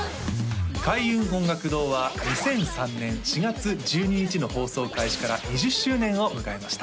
開運音楽堂は２００３年４月１２日の放送開始から２０周年を迎えました